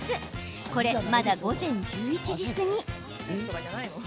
これ、まだ午前１１時過ぎ。